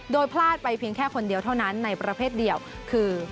โดยพลาดไปเพียงแค่คนเดียวเท่านั้นในประเภทเดียวคือ